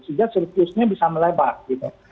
sehingga surplusnya bisa melebar gitu